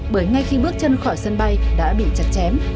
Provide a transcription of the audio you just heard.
bởi ngay khi bước chân khỏi sân bay đã bị chặt chém